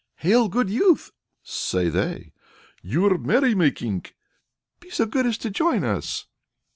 "Hail, good youth!" say they. "You're merry making?" "Be so good as to join us."